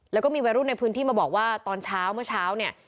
แล้วก็มีวัยรุ่นในพื้นที่มาบอกว่าตอนเช้าเมื่อเช้าเนี่ย